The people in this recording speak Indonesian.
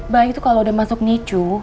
bayi tuh kalau udah masuk micu